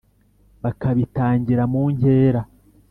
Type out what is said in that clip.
Bakabitangira mu nkera